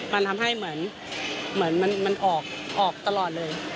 มันทำให้เหมือนมันออกตลอดเลย